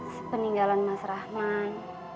sepeninggalan mas rahman